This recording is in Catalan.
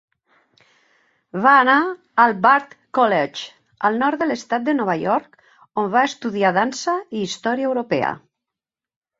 Va anar al Bard College, al nord de l'estat de Nova York, on va estudiar dansa i història europea.